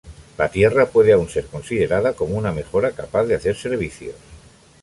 La tierra puede aún ser considerada como una mejora capaz de hacer servicios.